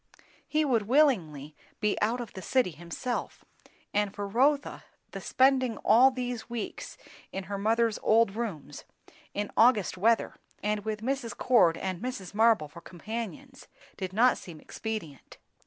He would willingly be out of the city himself; and for Rotha, the spending all these weeks in her mother's old rooms, in August weather, and with Mrs. Cord and Mrs. Marble for companions, did not seem expedient.